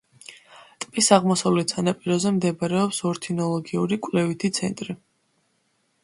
ტბის აღმოსავლეთ სანაპიროზე მდებარეობს ორნითოლოგიური კვლევითი ცენტრი.